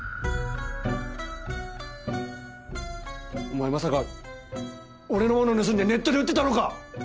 お前まさか俺の物盗んでネットで売ってたのか？